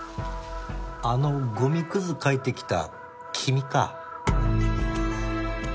あのゴミクズ書いてきた君か。